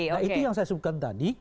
nah itu yang saya sebutkan tadi